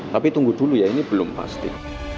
tapi tunggu dulu ya ini belum pasti